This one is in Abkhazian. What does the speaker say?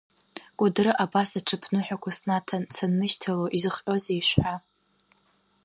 Кәыдры абас аҽыԥныҳәақәа снаҭан, саннышьҭало, изыхҟьозеи, ишәҳәа…